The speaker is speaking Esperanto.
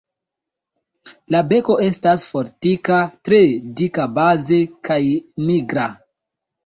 La beko estas fortika, tre dika baze kaj nigra.